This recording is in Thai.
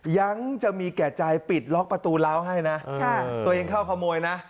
ยังจะมีแก่ใจปิดล็อกประตูร้าวให้นะตัวเองเข้าขโมยนะ